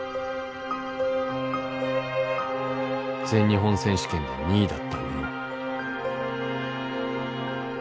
全日本選手権で２位だった宇野。